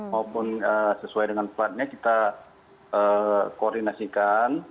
maupun sesuai dengan platnya kita koordinasikan